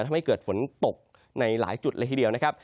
ทำให้เกิดฝนตกในหลายจุดเลยทีเดียวนะครับ